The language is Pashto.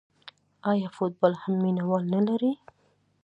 آیا فوتبال هم مینه وال نلري؟